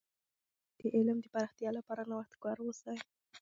تاسې باید د علم د پراختیا لپاره نوښتګر اوسئ.